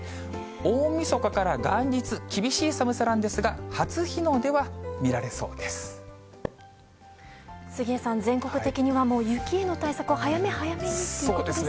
大みそかから元日、厳しい寒さなんですが、初日の出は見られそう杉江さん、全国的にはもう雪への対策を早め早めにってことですかね。